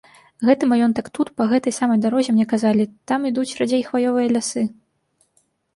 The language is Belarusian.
Гэты маёнтак тут, па гэтай самай дарозе, мне казалі, там ідуць радзей хваёвыя лясы.